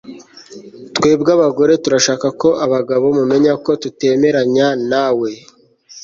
Twebwe abagore turashaka ko abagabo mumenya ko tutemeranya nawe